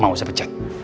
mau saya pecat